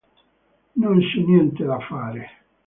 Non c'è niente da fare.